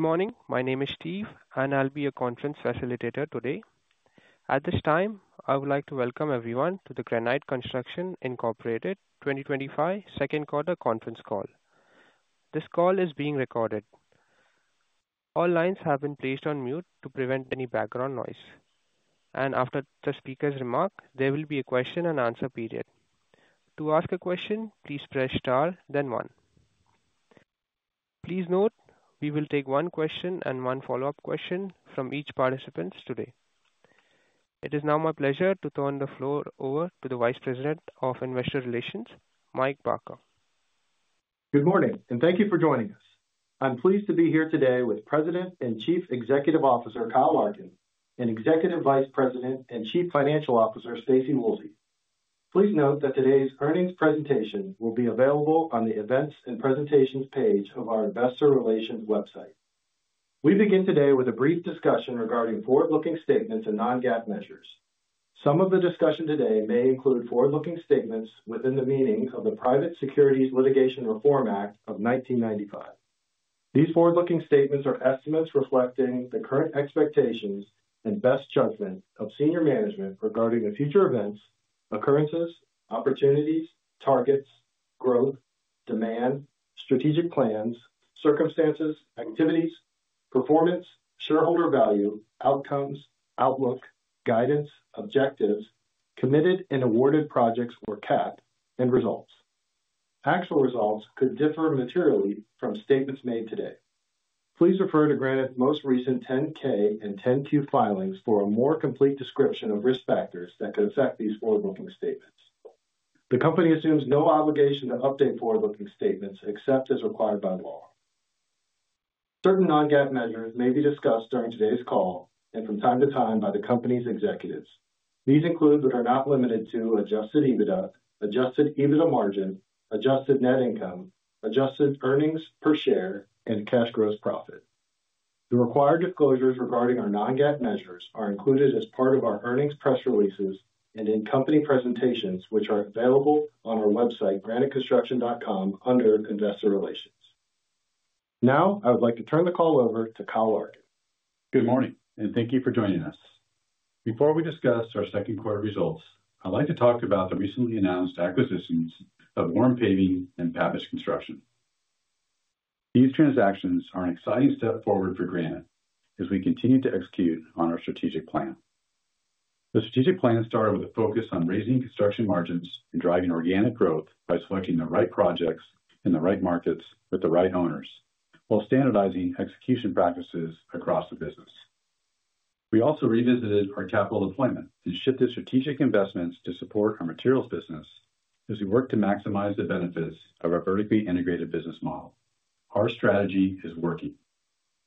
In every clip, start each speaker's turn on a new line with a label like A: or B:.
A: Good morning. My name is Steve, and I'll be your conference facilitator today. At this time, I would like to welcome everyone to the Granite Construction Incorporated 2025 second quarter conference call. This call is being recorded. All lines have been placed on mute to prevent any background noise. After the speaker's remark, there will be a question and answer period. To ask a question, please press star, then one. Please note, we will take one question and one follow-up question from each participant today. It is now my pleasure to turn the floor over to the Vice President of Investor Relations, Mike Barker.
B: Good morning, and thank you for joining us. I'm pleased to be here today with President and Chief Executive Officer, Kyle Larkin, and Executive Vice President and Chief Financial Officer, Staci Woolsey. Please note that today's earnings presentation will be available on the Events and Presentations page of our Investor Relations website. We begin today with a brief discussion regarding forward-looking statements and non-GAAP measures. Some of the discussion today may include forward-looking statements within the meaning of the Private Securities Litigation Reform Act of 1995. These forward-looking statements are estimates reflecting the current expectations and best judgment of senior management regarding the future events, occurrences, opportunities, targets, growth, demand, strategic plans, circumstances, activities, performance, shareholder value, outcomes, outlook, guidance, objectives, committed and awarded projects, or CAP, and results. Actual results could differ materially from statements made today. Please refer to Granite Construction's most recent 10-K and 10-Q filings for a more complete description of risk factors that could affect these forward-looking statements. The company assumes no obligation to update forward-looking statements except as required by law. Certain non-GAAP measures may be discussed during today's call and from time to time by the company's executives. These include, but are not limited to, adjusted EBITDA, adjusted EBITDA margin, adjusted net income, adjusted earnings per share, and cash gross profit. The required disclosures regarding our non-GAAP measures are included as part of our earnings press releases and in company presentations, which are available on our website, graniteconstruction.com, under Investor Relations. Now, I would like to turn the call over to Kyle Larkin.
C: Good morning, and thank you for joining us. Before we discuss our second quarter results, I'd like to talk about the recently announced acquisitions of Warm Paving and Pavage Construction. These transactions are an exciting step forward for Granite as we continue to execute on our strategic plan. The strategic plan started with a focus on raising construction margins and driving organic growth by selecting the right projects in the right markets with the right owners, while standardizing execution practices across the business. We also revisited our capital deployment and shifted strategic investments to support our materials business as we work to maximize the benefits of our vertically integrated business model. Our strategy is working.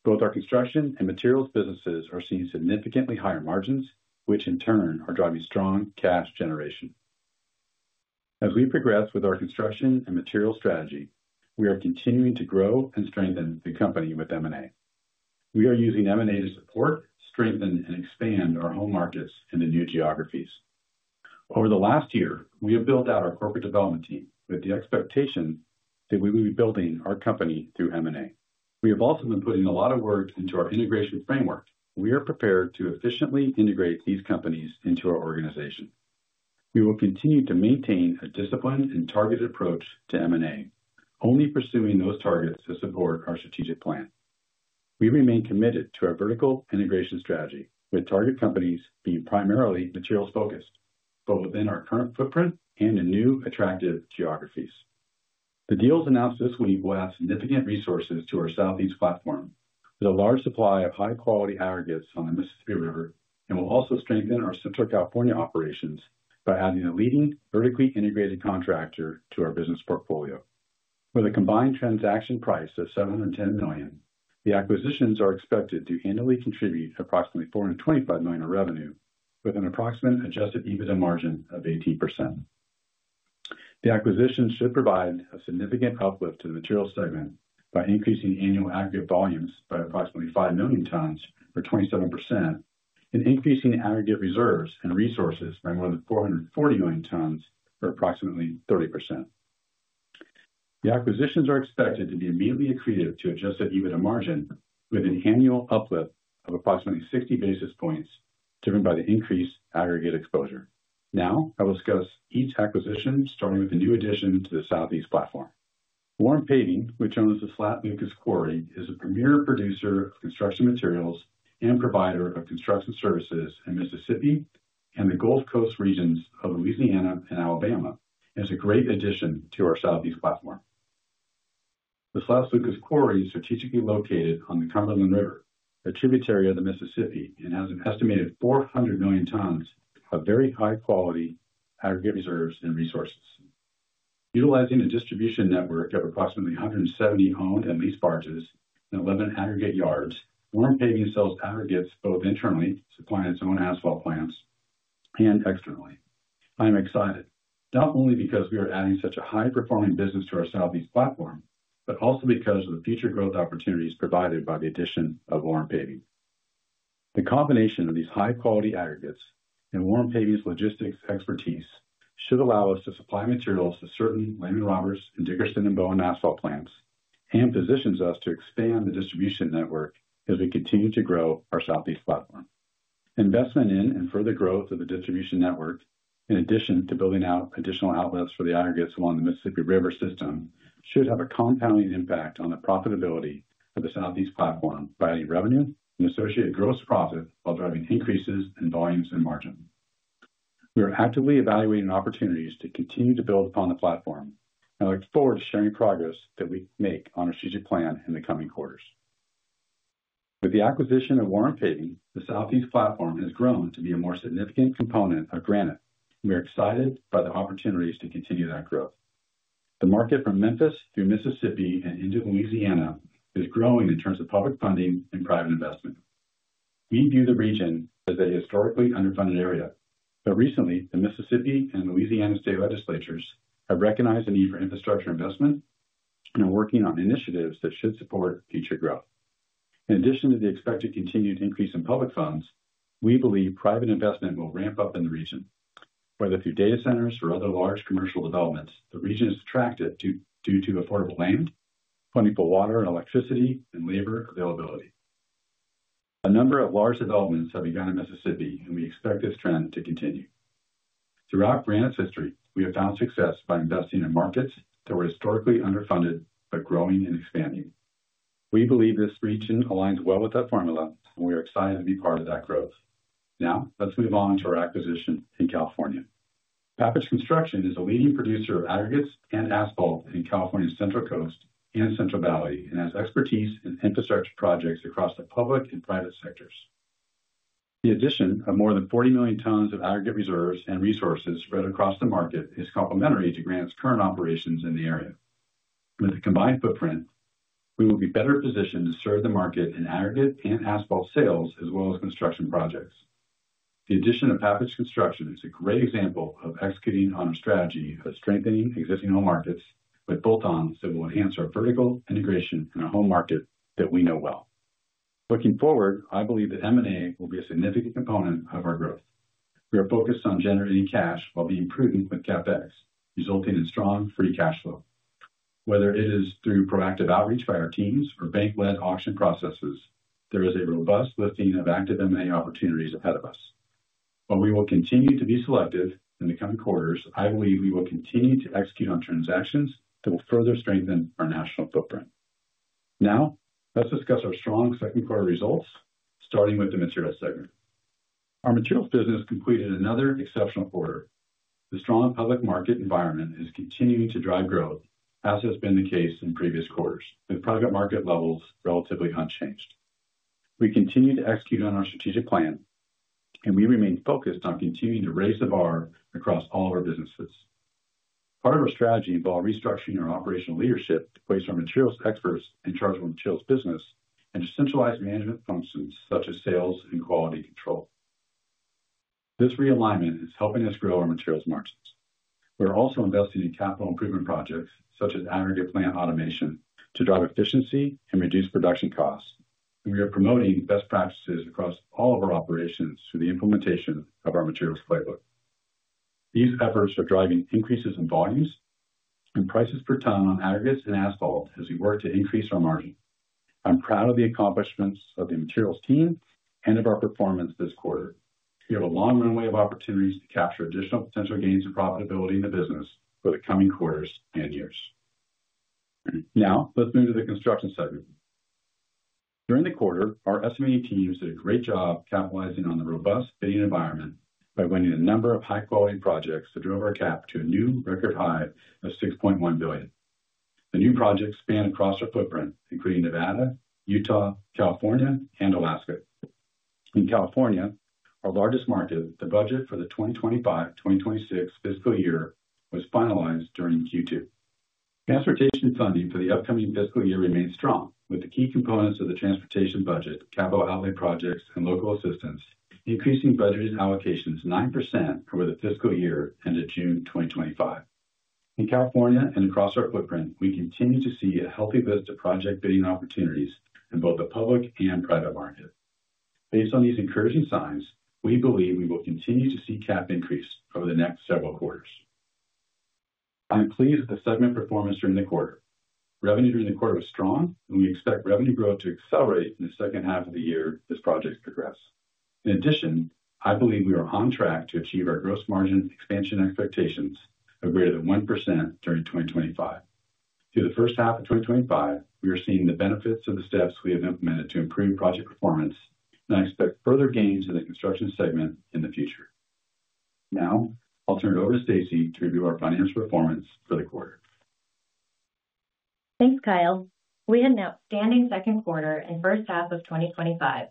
C: Both our construction and materials businesses are seeing significantly higher margins, which in turn are driving strong cash generation. As we progress with our construction and materials strategy, we are continuing to grow and strengthen the company with M&A. We are using M&A to support, strengthen, and expand our home markets in the new geographies. Over the last year, we have built out our corporate development team with the expectation that we will be building our company through M&A. We have also been putting a lot of work into our integration framework. We are prepared to efficiently integrate these companies into our organization. We will continue to maintain a disciplined and targeted approach to M&A, only pursuing those targets to support our strategic plan. We remain committed to our vertical integration strategy, with target companies being primarily materials-focused, but within our current footprint and in new attractive geographies. The deals announced this week will add significant resources to our Southeast platform, with a large supply of high-quality aggregates on the Mississippi River, and will also strengthen our Central California operations by adding a leading vertically integrated contractor to our business portfolio. With a combined transaction price of $710 million, the acquisitions are expected to annually contribute approximately $425 million in revenue, with an approximate adjusted EBITDA margin of 18%. The acquisitions should provide a significant uplift to the materials segment by increasing annual aggregate volumes by approximately 5 million tons or 27% and increasing aggregate reserves and resources by more than 440 million tons or approximately 30%. The acquisitions are expected to be immediately accretive to adjusted EBITDA margin, with an annual uplift of approximately 60 basis points, driven by the increased aggregate exposure. Now, I will discuss each acquisition, starting with the new addition to the Southeast platform. Warm Paving, which owns the Slats Lucas Quarry, is the premier producer of construction materials and provider of construction services in Mississippi and the Gulf Coast regions of Louisiana and Alabama, and is a great addition to our Southeast platform. The Slats Lucas Quarry is strategically located on the Cumberland River, a tributary of the Mississippi, and has an estimated 400 million tons of very high-quality aggregate reserves and resources. Utilizing a distribution network of approximately 170 owned and leased barges and 11 aggregate yards, Warm Paving sells aggregates both internally, supplying its own asphalt plants, and externally. I am excited, not only because we are adding such a high-performing business to our Southeast platform, but also because of the future growth opportunities provided by the addition of Warm Paving. The combination of these high-quality aggregates and Warm Paving's logistics expertise should allow us to supply materials to certain Lamb & Roberts and Dickerson & Bowen asphalt plants and positions us to expand the distribution network as we continue to grow our Southeast platform. Investment in and further growth of the distribution network, in addition to building out additional outlets for the aggregates along the Mississippi River system, should have a compounding impact on the profitability of the Southeast platform by adding revenue and associated gross profit while driving increases in volumes and margin. We are actively evaluating opportunities to continue to build upon the platform, and I look forward to sharing progress that we make on our strategic plan in the coming quarters. With the acquisition of Warm Paving, the Southeast platform has grown to be a more significant component of Granite, and we are excited by the opportunities to continue that growth. The market from Memphis through Mississippi and into Louisiana is growing in terms of public funding and private investment. We view the region as a historically underfunded area, but recently, the Mississippi and Louisiana state legislatures have recognized the need for infrastructure investment and are working on initiatives that should support future growth. In addition to the expected continued increase in public funds, we believe private investment will ramp up in the region. Whether through data centers or other large commercial developments, the region is attractive due to affordable land, plentiful water, electricity, and labor availability. A number of large developments have begun in Mississippi, and we expect this trend to continue. Throughout Granite's history, we have found success by investing in markets that were historically underfunded but growing and expanding. We believe this region aligns well with that formula, and we are excited to be part of that growth. Now, let's move on to our acquisition in California. Pavage Construction is a leading producer of aggregates and asphalt in California's Central Coast and Central Valley and has expertise in infrastructure projects across the public and private sectors. The addition of more than 40 million tons of aggregate reserves and resources spread across the market is complementary to Granite's current operations in the area. With the combined footprint, we will be better positioned to serve the market in aggregate and asphalt sales, as well as construction projects. The addition of Pavage Construction is a great example of executing on a strategy of strengthening existing home markets with bolt-ons that will enhance our vertical integration in a home market that we know well. Looking forward, I believe that M&A will be a significant component of our growth. We are focused on generating cash while being prudent with CapEx, resulting in strong free cash flow. Whether it is through proactive outreach by our teams or bank-led auction processes, there is a robust listing of active M&A opportunities ahead of us. While we will continue to be selective in the coming quarters, I believe we will continue to execute on transactions that will further strengthen our national footprint. Now, let's discuss our strong second quarter results, starting with the materials segment. Our materials business completed another exceptional quarter. The strong public market environment is continuing to drive growth, as has been the case in previous quarters, with private market levels relatively unchanged. We continue to execute on our strategic plan, and we remain focused on continuing to raise the bar across all of our businesses. Part of our strategy involves restructuring our operational leadership to place our materials experts in charge of our materials business and centralized management functions such as sales and quality control. This realignment is helping us grow our materials margins. We're also investing in capital improvement projects such as aggregate plant automation to drive efficiency and reduce production costs. We are promoting best practices across all of our operations through the implementation of our materials playbook. These efforts are driving increases in volumes and prices per ton on aggregates and asphalt as we work to increase our margin. I'm proud of the accomplishments of the materials team and of our performance this quarter. We have a long runway of opportunities to capture additional potential gains in profitability in the business for the coming quarters and years. Now, let's move to the construction segment. During the quarter, our estimating teams did a great job capitalizing on the robust bidding environment by winning a number of high-quality projects that drove our CAP to a new record high of $6.1 billion. The new projects span across our footprint, including Nevada, Utah, California, and Alaska. In California, our largest market, the budget for the 2025-2026 fiscal year was finalized during Q2. Transportation funding for the upcoming fiscal year remains strong, with the key components of the transportation budget, capital outlay projects, and local assistance increasing budget allocations 9% over the fiscal year end of June 2025. In California and across our footprint, we continue to see a healthy list of project bidding opportunities in both the public and private market. Based on these encouraging signs, we believe we will continue to see CAP increase over the next several quarters. I am pleased with the segment performance during the quarter. Revenue during the quarter was strong, and we expect revenue growth to accelerate in the second half of the year as projects progress. In addition, I believe we are on track to achieve our gross margin expansion expectations of greater than 1% during 2025. Through the first half of 2025, we are seeing the benefits of the steps we have implemented to improve project performance, and I expect further gains in the construction segment in the future. Now, I'll turn it over to Staci to review our financial performance for the quarter.
D: Thanks, Kyle. We had an outstanding second quarter and first half of 2025.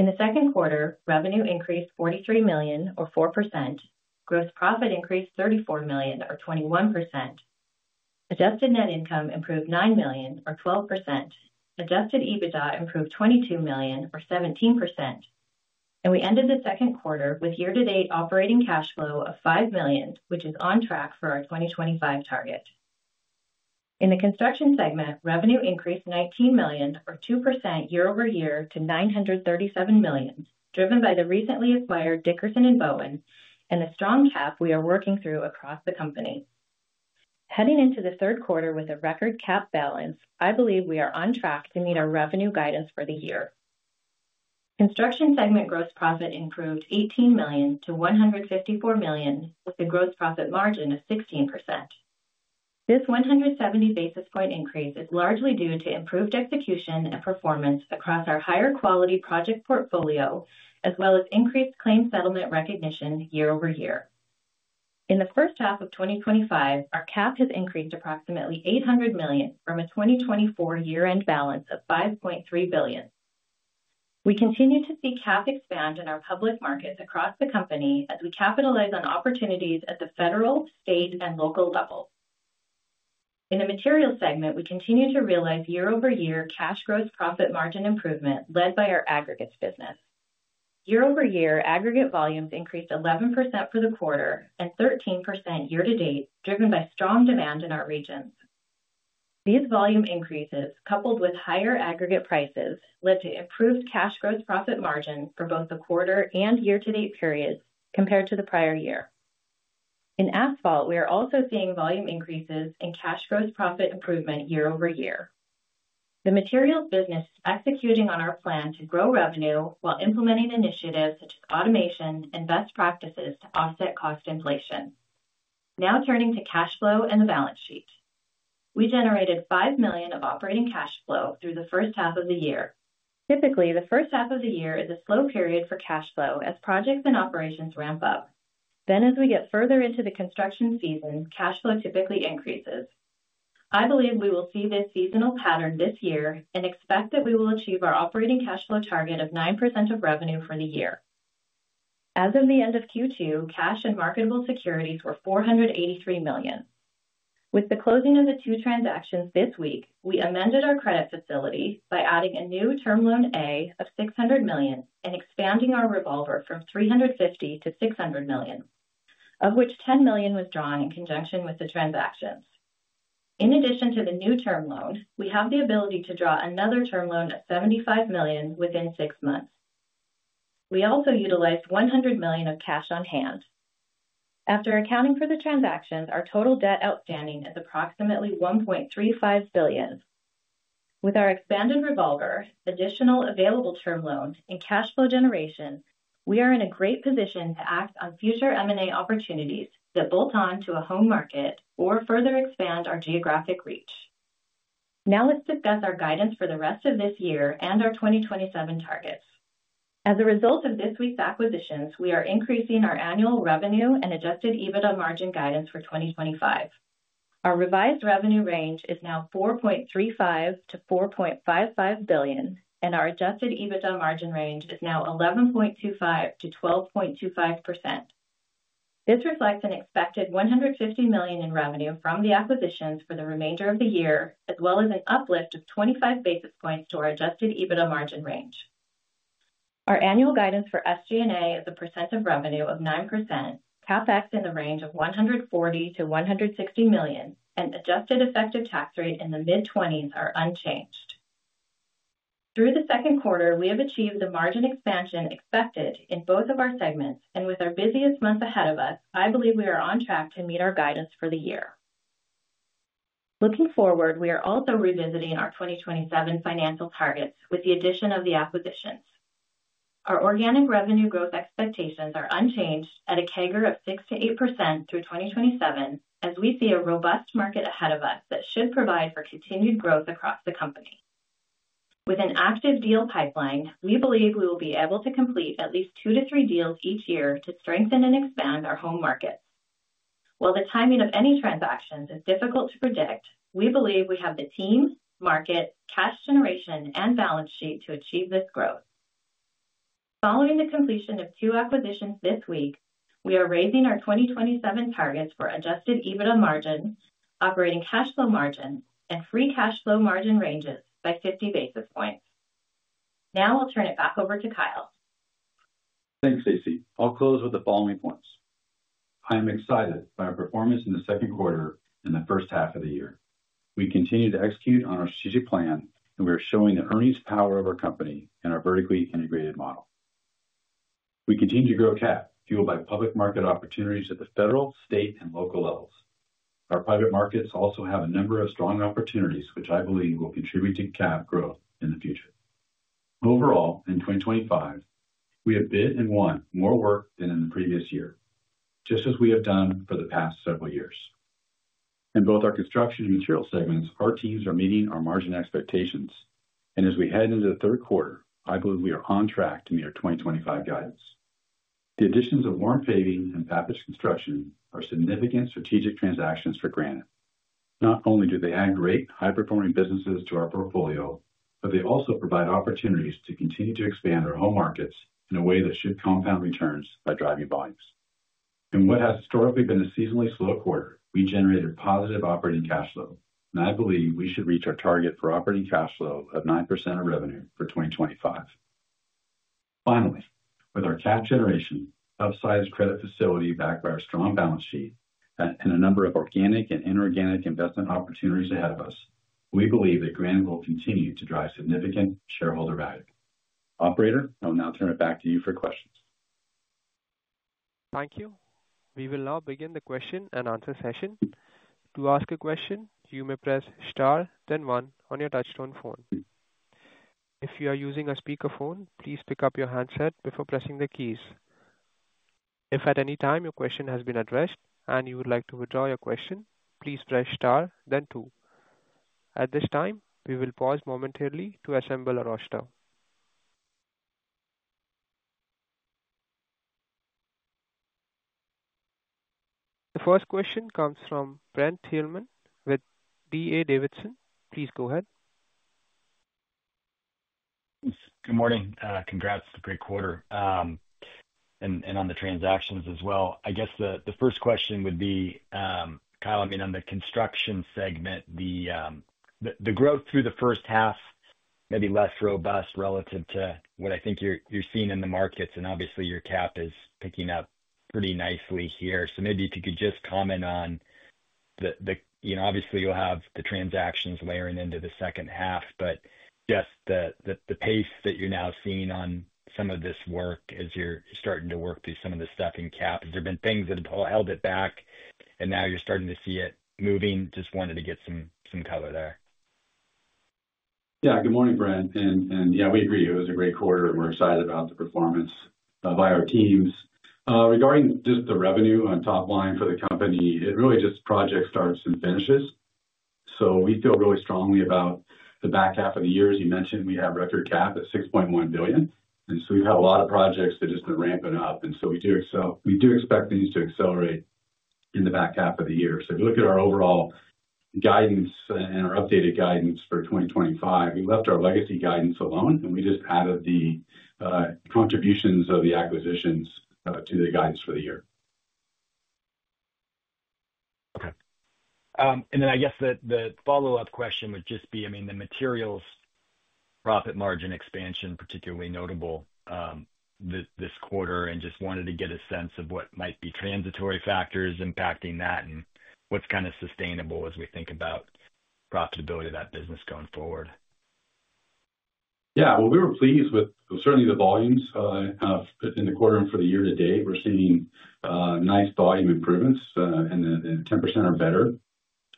D: In the second quarter, revenue increased $43 million, or 4%. Gross profit increased $34 million, or 21%. Adjusted net income improved $9 million, or 12%. Adjusted EBITDA improved $22 million, or 17%. We ended the second quarter with year-to-date operating cash flow of $5 million, which is on track for our 2025 target. In the construction segment, revenue increased $19 million, or 2% year-over-year, to $937 million, driven by the recently acquired Dickerson & Bowen and the strong CAP we are working through across the company. Heading into the third quarter with a record CAP balance, I believe we are on track to meet our revenue guidance for the year. Construction segment gross profit improved $18 million to $154 million, with a gross profit margin of 16%. This 170 basis point increase is largely due to improved execution and performance across our higher quality project portfolio, as well as increased claim settlement recognition year over year. In the first half of 2025, our CAP has increased approximately $800 million from a 2024 year-end balance of $5.3 billion. We continue to see CAP expand in our public markets across the company as we capitalize on opportunities at the federal, state, and local level. In the materials segment, we continue to realize year-over-year cash gross profit margin improvement led by our aggregates business. Year-over-year, aggregate volumes increased 11% for the quarter, at 13% year-to-date, driven by strong demand in our regions. These volume increases, coupled with higher aggregate prices, led to improved cash gross profit margin for both the quarter and year-to-date periods compared to the prior year. In asphalt, we are also seeing volume increases and cash gross profit improvement year over year. The materials business is executing on our plan to grow revenue while implementing initiatives such as automation and best practices to offset cost inflation. Now turning to cash flow and the balance sheet. We generated $5 million of operating cash flow through the first half of the year. Typically, the first half of the year is a slow period for cash flow as projects and operations ramp up. As we get further into the construction season, cash flow typically increases. I believe we will see this seasonal pattern this year and expect that we will achieve our operating cash flow target of 9% of revenue for the year. As of the end of Q2, cash and marketable securities were $483 million. With the closing of the two transactions this week, we amended our credit facility by adding a new Term Loan A of $600 million and expanding our revolver from $350 million to $600 million, of which $10 million was drawn in conjunction with the transactions. In addition to the new Term Loan, we have the ability to draw another Term Loan of $75 million within six months. We also utilized $100 million of cash on hand. After accounting for the transactions, our total debt outstanding is approximately $1.35 billion. With our expanded revolver, additional available Term Loans, and cash flow generation, we are in a great position to act on future M&A opportunities that bolt on to a home market or further expand our geographic reach. Now, let's discuss our guidance for the rest of this year and our 2027 targets. As a result of this week's acquisitions, we are increasing our annual revenue and adjusted EBITDA margin guidance for 2025. Our revised revenue range is now $4.35 billion-$4.55 billion, and our adjusted EBITDA margin range is now 11.25%-12.25%. This reflects an expected $150 million in revenue from the acquisitions for the remainder of the year, as well as an uplift of 25 basis points to our adjusted EBITDA margin range. Our annual guidance for SG&A as a percent of revenue is 9%. CapEx in the range of $140 million-$160 million, and adjusted effective tax rate in the mid-20s are unchanged. Through the second quarter, we have achieved the margin expansion expected in both of our segments, and with our busiest month ahead of us, I believe we are on track to meet our guidance for the year. Looking forward, we are also revisiting our 2027 financial targets with the addition of the acquisitions. Our organic revenue growth expectations are unchanged at a CAGR of 6% to 8% through 2027, as we see a robust market ahead of us that should provide for continued growth across the company. With an active deal pipeline, we believe we will be able to complete at least two to three deals each year to strengthen and expand our home market. While the timing of any transactions is difficult to predict, we believe we have the team, market, cash generation, and balance sheet to achieve this growth. Following the completion of two acquisitions this week, we are raising our 2027 targets for adjusted EBITDA margin, operating cash flow margin, and free cash flow margin ranges by 50 basis points. Now, I'll turn it back over to Kyle.
C: Thanks, Staci. I'll close with the following points. I am excited by our performance in the second quarter and the first half of the year. We continue to execute on our strategic plan, and we are showing the earnings power of our company and our vertically integrated model. We continue to grow CAP, fueled by public market opportunities at the federal, state, and local levels. Our private markets also have a number of strong opportunities, which I believe will contribute to CAP growth in the future. Overall, in 2025, we have bid and won more work than in the previous year, just as we have done for the past several years. In both our construction and materials segments, our teams are meeting our margin expectations, and as we head into the third quarter, I believe we are on track to meet our 2025 guidance. The additions of Warm Paving and Pavage Construction are significant strategic transactions for Granite. Not only do they add great, high-performing businesses to our portfolio, but they also provide opportunities to continue to expand our home markets in a way that should compound returns by driving volumes. In what has historically been a seasonally slow quarter, we generated positive operating cash flow, and I believe we should reach our target for operating cash flow of 9% of revenue for 2025. Finally, with our CAP generation, upsized credit facility backed by our strong balance sheet, and a number of organic and inorganic investment opportunities ahead of us, we believe that Granite will continue to drive significant shareholder value. Operator, I'll now turn it back to you for questions.
A: Thank you. We will now begin the question and answer session. To ask a question, you may press star, then one on your touch-tone phone. If you are using a speakerphone, please pick up your handset before pressing the keys. If at any time your question has been addressed and you would like to withdraw your question, please press star, then two. At this time, we will pause momentarily to assemble a roster. The first question comes from Brent Thielman with D.A. Davidson. Please go ahead.
E: Good morning. Congrats to the great quarter. On the transactions as well, I guess the first question would be, Kyle, on the construction segment, the growth through the first half may be less robust relative to what I think you're seeing in the markets, and obviously your CAP is picking up pretty nicely here. Maybe if you could just comment on the, obviously you'll have the transactions layering into the second half, but just the pace that you're now seeing on some of this work as you're starting to work through some of the stuff in CAP. There have been things that have held it back, and now you're starting to see it moving. Just wanted to get some color there.
C: Yeah, good morning, Brent. Yeah, we agree, it was a great quarter. We're excited about the performance of our teams. Regarding just the revenue on top line for the company, it really just project starts and finishes. We feel really strongly about the back half of the year. You mentioned we have record CAP at $6.1 billion, and we've had a lot of projects that just have been ramping up. We do expect things to accelerate in the back half of the year. If you look at our overall guidance and our updated guidance for 2025, we left our legacy guidance alone, and we just added the contributions of the acquisitions to the guidance for the year.
E: Okay. The materials profit margin expansion is particularly notable this quarter, and just wanted to get a sense of what might be transitory factors impacting that and what's kind of sustainable as we think about profitability of that business going forward.
C: Yeah, we were pleased with certainly the volumes in the quarter and for the year to date. We're seeing nice volume improvements, and the 10% or better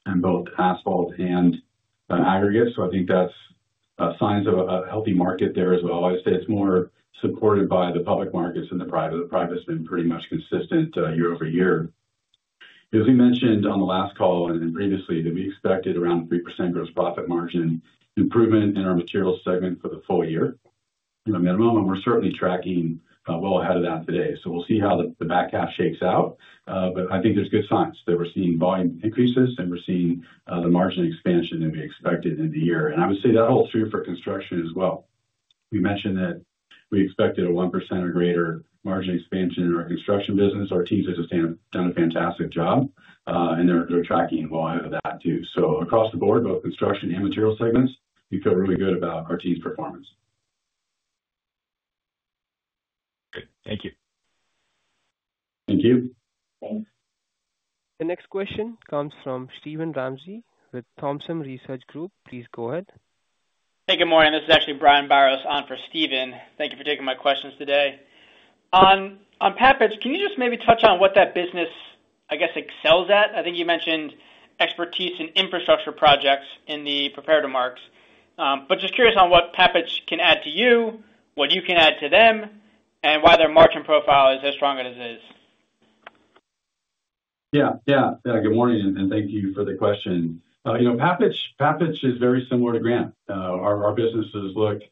C: in both asphalt and aggregates. I think that's signs of a healthy market there as well. I'd say it's more supported by the public markets and the private than pretty much consistent year over year. As we mentioned on the last call and previously, we expected around a 3% gross profit margin improvement in our materials segment for the full year at a minimum, and we're certainly tracking a little ahead of that today. We'll see how the back half shakes out. I think there's good signs that we're seeing volume increases, and we're seeing the margin expansion that we expected in the year. I would say that holds true for construction as well. We mentioned that we expected a 1% or greater margin expansion in our construction business. Our teams have just done a fantastic job, and they're tracking well out of that too. Across the board, both construction and materials segments, we feel really good about our team's performance.
E: Okay, thank you.
C: Thank you.
A: The next question comes from Steven Ramsey with Thompson Research Group. Please go ahead.
F: Hey, good morning. This is actually Brian Barros on for Steven. Thank you for taking my questions today. On Pavage, can you just maybe touch on what that business, I guess, excels at? I think you mentioned expertise in infrastructure projects in the prepared marks, but just curious on what Pavage can add to you, what you can add to them, and why their margin profile is as strong as it is.
C: Good morning, and thank you for the question. Pavage is very similar to Granite. Our businesses look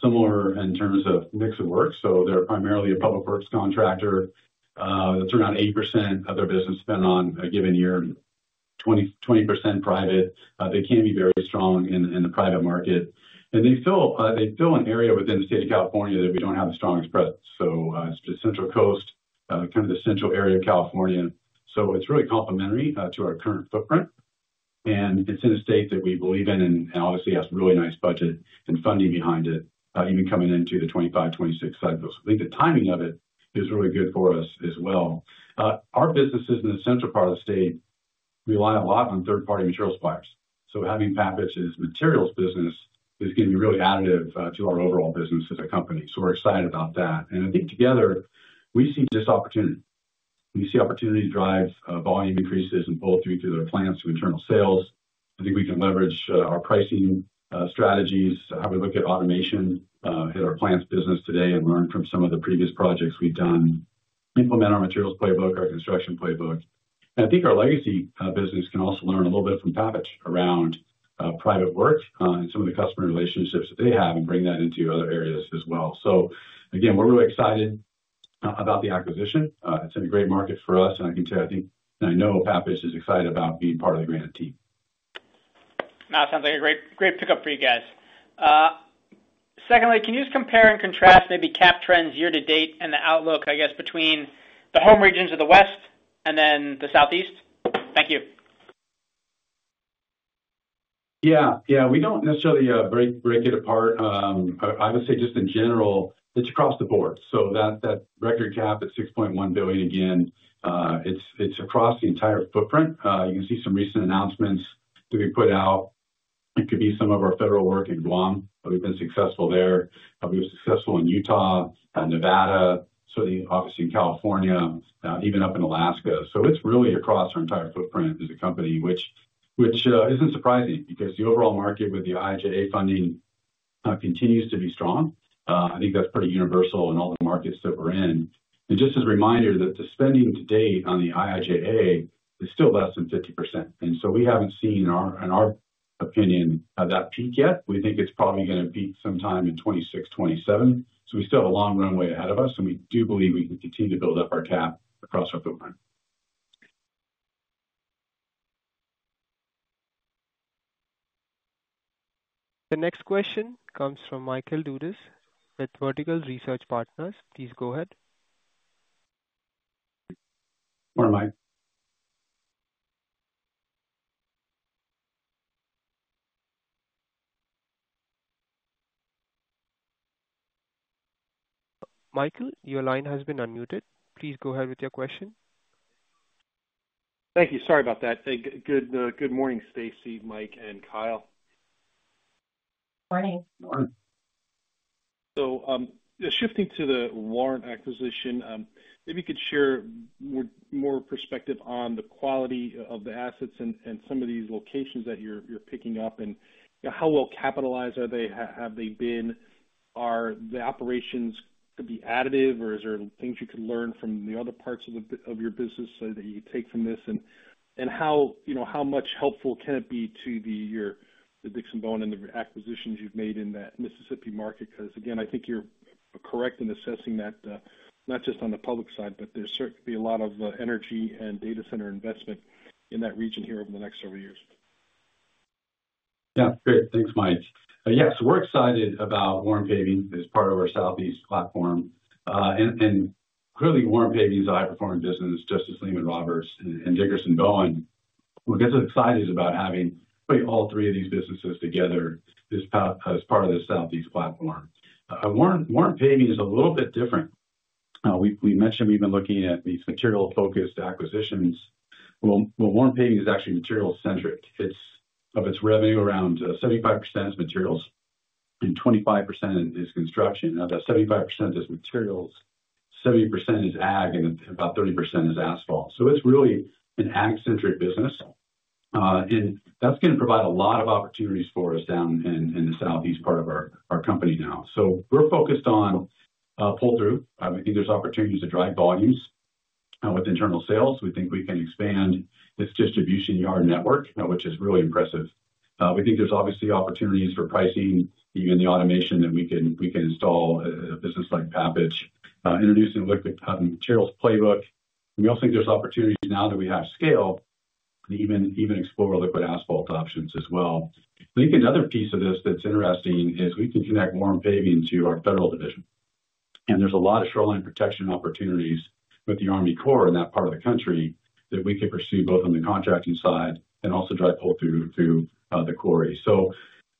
C: similar in terms of mix of work. They're primarily a public works contractor. That's around 80% of their business spent on a given year, 20% private. They can be very strong in the private market. They fill an area within the state of California that we don't have the strongest presence. It's the Central Coast, kind of the central area of California. It's really complementary to our current footprint. It's in a state that we believe in and obviously has a really nice budget and funding behind it, even coming into the 2025-2026 cycles. I think the timing of it is really good for us as well. Our businesses in the central part of the state rely a lot on third-party material suppliers. Having Pavage's materials business is going to be really additive to our overall business as a company. We're excited about that. I think together we see this opportunity. We see opportunity to drive volume increases and bolting through their plants to internal sales. I think we can leverage our pricing strategies, have a look at automation, hit our plants' business today, and learn from some of the previous projects we've done, implement our materials playbook, our construction playbook. I think our legacy business can also learn a little bit from Pavage around private work and some of the customer relationships that they have and bring that into other areas as well. We're really excited about the acquisition. It's in a great market for us. I think, and I know Pavage is excited about being part of the Granite team.
F: That sounds like a great pickup for you guys. Secondly, can you just compare and contrast maybe CAP trends year to date and the outlook, I guess, between the home regions of the West and then the Southeast? Thank you.
C: We don't necessarily break it apart. I would say just in general, it's across the board. That record CAP at $6.1 billion, again, it's across the entire footprint. You can see some recent announcements that we put out. It could be some of our federal work in Guam, but we've been successful there. We were successful in Utah, Nevada, obviously in California, even up in Alaska. It's really across our entire footprint as a company, which isn't surprising because the overall market with the IIJA funding continues to be strong. I think that's pretty universal in all the markets that we're in. Just as a reminder, the spending to date on the IIJA is still less than 50%. We haven't seen, in our opinion, that peak yet. We think it's probably going to be sometime in 2026-2027. We still have a long runway ahead of us, and we do believe we can continue to build up our CAP across our footprint.
A: The next question comes from Michael Dudas with Vertical Research Partners. Please go ahead.
C: Morning, Mike.
A: Michael, your line has been unmuted. Please go ahead with your question.
G: Thank you. Good morning, Staci, Mike, and Kyle.
C: Morning.
G: Shifting to the Warm Paving acquisition, maybe you could share more perspective on the quality of the assets and some of these locations that you're picking up and how well capitalized have they been? Are the operations going to be additive, or is there things you could learn from the other parts of your business that you could take from this? How much helpful can it be to your Dickerson & Bowen and the acquisitions you've made in that Mississippi market? I think you're correct in assessing that not just on the public side, but there's certainly a lot of energy and data center investment in that region here over the next several years.
C: Yeah, great. Thanks, Mike. Yes, we're excited about Warm Paving as part of our Southeast platform. Clearly, Warm Paving is a high-performing business just as Lamb & Roberts and Dickerson & Bowen. We're just as excited about having all three of these businesses together as part of this Southeast platform. Warm Paving is a little bit different. We mentioned we've been looking at these material-focused acquisitions. Warm Paving is actually material-centric. Of its revenue, around 75% is materials, and 25% is construction. Of that 75% in materials, 70% is aggregates, and about 30% is asphalt. It's really an aggregates-centric business, and that's going to provide a lot of opportunities for us down in the Southeast part of our company now. We're focused on pull-through. I think there's opportunities to drive volumes with internal sales. We think we can expand its distribution yard network, which is really impressive. We think there's obviously opportunities for pricing, even the automation that we can install, a business like Pavage, introducing liquid carbon materials playbook. We also think there's opportunities now that we have scale to even explore liquid asphalt options as well. I think another piece of this that's interesting is we can connect Warm Paving to our federal division. There's a lot of shoreline protection opportunities with the Army Corps in that part of the country that we could pursue both on the contracting side and also drive pull-through through the quarry.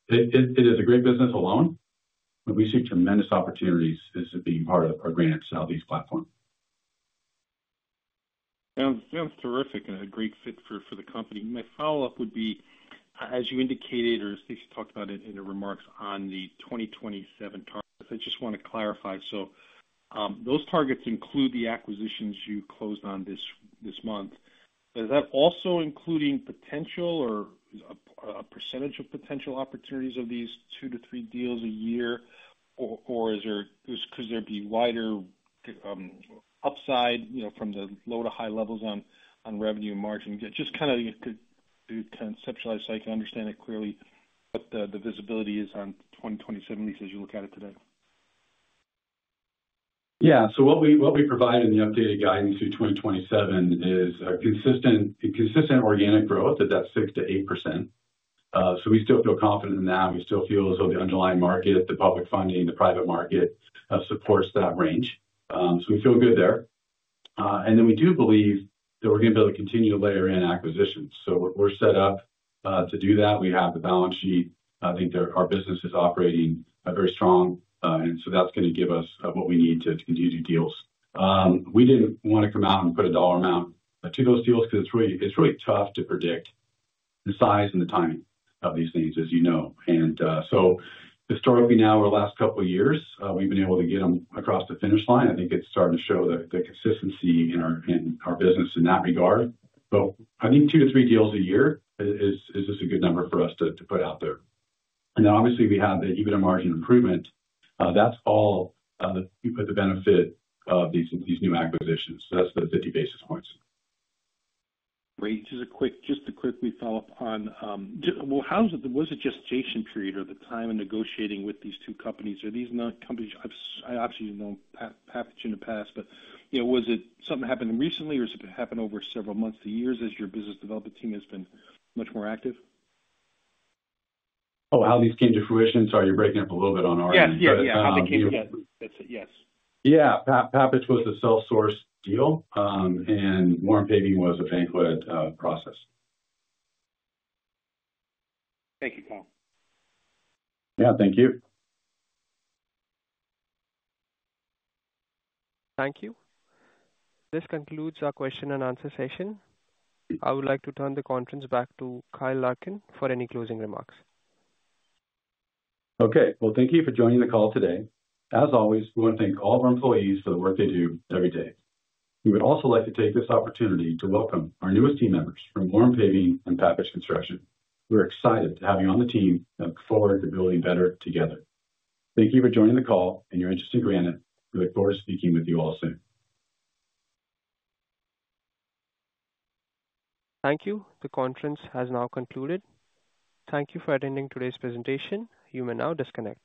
C: It is a great business alone, but we see tremendous opportunities as being part of the Granite Southeast platform.
G: Sounds terrific and a great fit for the company. My follow-up would be, as you indicated or Staci talked about in the remarks on the 2027 targets, I just want to clarify. Those targets include the acquisitions you closed on this month. Is that also including potential or a percentage of potential opportunities of these two to three deals a year? Could there be wider upside from the low to high levels on revenue and margin? Just kind of could conceptualize so I can understand it clearly what the visibility is on 2027, at least as you look at it today.
C: Yeah. What we provide in the updated guidance through 2027 is consistent organic growth at that 6% to 8%. We still feel confident in that. We still feel as though the underlying market, the public funding, the private market supports that range. We feel good there. We do believe that we're going to be able to continue to layer in acquisitions. We're set up to do that. We have the balance sheet. I think our business is operating very strong. That's going to give us what we need to continue to do deals. We didn't want to come out and put a dollar amount to those deals because it's really tough to predict the size and the timing of these things, as you know. Historically, now over the last couple of years, we've been able to get them across the finish line. I think it's starting to show the consistency in our business in that regard. I think two to three deals a year is just a good number for us to put out there. Obviously, we have the EBITDA margin improvement. That's all the benefit of these new acquisitions. That's the 50 basis points.
G: Great. Just a quick follow-up on how was it just the period or the time in negotiating with these two companies? Are these not companies? I obviously know Pavage in the past, but you know, was it something happening recently, or has it happened over several months to years as your business development team has been much more active?
C: Oh, how these came to fruition? Sorry, you're breaking up a little bit on our end.
G: Yeah, how they came together.
C: Yes. Pavage was the sole source deal, and Warm Paving was a banked process.
G: Thank you, Kyle.
C: Thank you.
A: Thank you. This concludes our question and answer session. I would like to turn the conference back to Kyle Larkin for any closing remarks.
C: Thank you for joining the call today. As always, we want to thank all of our employees for the work they do every day. We would also like to take this opportunity to welcome our newest team members from Warm Paving and Pavage Construction. We're excited to have you on the team and look forward to building better together. Thank you for joining the call and your interest in Granite. We look forward to speaking with you all soon.
A: Thank you. The conference has now concluded. Thank you for attending today's presentation. You may now disconnect.